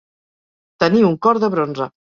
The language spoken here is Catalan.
Tenir un cor de bronze.